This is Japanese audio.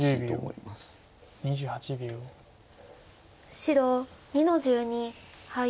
白２の十二ハイ。